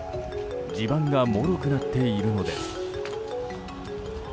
地盤がもろくなっているのです。